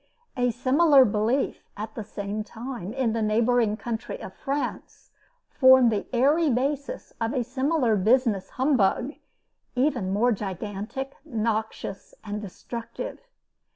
A similar belief, at the same time, in the neighboring country of France, formed the airy basis of a similar business humbug, even more gigantic, noxious, and destructive.